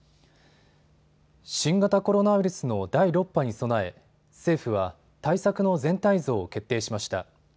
新型コロナウイルスの第６波に備え政府は対策の全体像を決定しました。